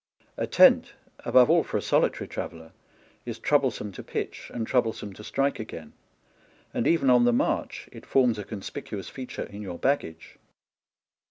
A tent, above all for a solitary traveller, is troublesome to pitch, and troublesome to strike again ; and even on the march it forms a conspicuous feature in your baggage.